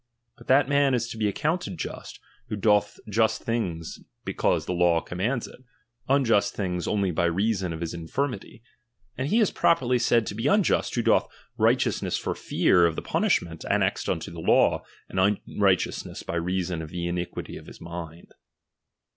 But that man is to be accounted just, who doth just things because the law commands it, uujust things only by reason of his infirmity ; and he is properly said to be un JQBt, who doth righteousness for fear of the punish Bient annexed unto the law, and unrighteousness by reason of the iniquity of his mind.